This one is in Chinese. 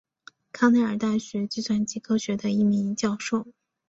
康奈尔大学计算机科学的一名教授。